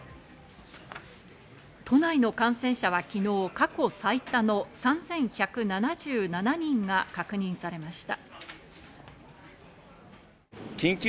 都内の感染者は昨日、過去最多の３１７７人が確認されました。